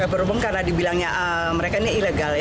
berhubung karena dibilangnya mereka ini ilegal ya